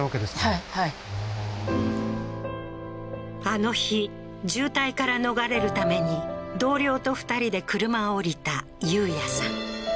あの日渋滞から逃れるために同僚と２人で車を降りた憂哉さん